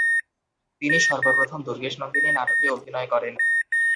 তিনি সর্বপ্রথম দুর্গেশনন্দিনী নাটকে অভিনয় করেন।